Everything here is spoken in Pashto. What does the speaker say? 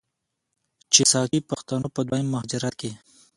چې ساکي پښتنو په دویم مهاجرت کې،